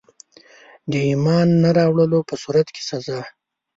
د ایمان نه راوړلو په صورت کي سزا.